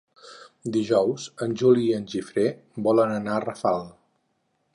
Dijous en Juli i en Guifré volen anar a Rafal.